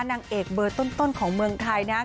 นางเอกเบอร์ต้นของเมืองไทยนะครับ